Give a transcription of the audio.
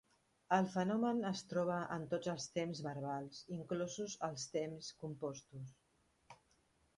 El fenomen es troba en tots els temps verbals, inclosos els temps compostos.